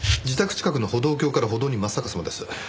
自宅近くの歩道橋から歩道に真っ逆さまです。